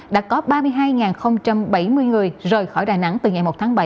đã có ba mươi hai bảy mươi người rời khỏi đà nẵng từ ngày một tháng bảy